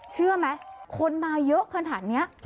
เชื่อไหมคนมาเยอะขนาดนี้